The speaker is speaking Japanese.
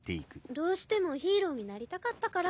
どうしてもヒーローになりたかったから。